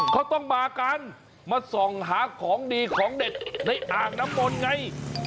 เขาต้องมากันมาส่องหาของดีของเด็ดในอ่างน้ำมนต์ไง